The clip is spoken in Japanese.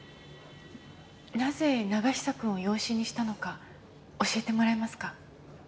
なぜ永久くんを養子にしたのか教えてもらえますか？